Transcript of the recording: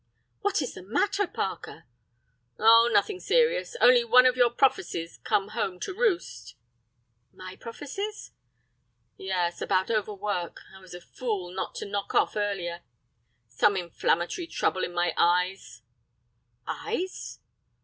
"What is the matter, Parker?" "Oh, nothing serious, only one of your prophecies come home to roost." "My prophecies?" "Yes, about overwork. I was a fool not to knock off earlier. Some inflammatory trouble in my eyes." "Eyes?"